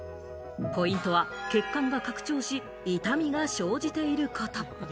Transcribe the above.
ポイントは血管が拡張し、痛みが生じていること。